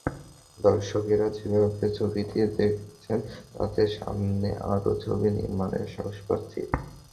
দর্শকেরা যেভাবে ছবিটি দেখছেন তাতে সামনে আরও ছবি নির্মাণের সাহস পাচ্ছি।